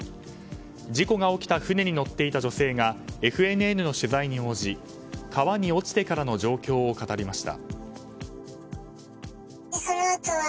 事故が起きた船に乗っていた女性がＦＮＮの取材に応じ川に落ちてからの状況を語りました。